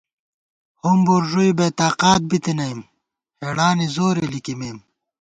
ہُمبر ݫُوئی بے تاقات بِتَنَئیم ، ہېڑانی زورے لِکِمېم